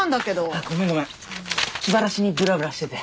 あっごめんごめん気晴らしにぶらぶらしてて。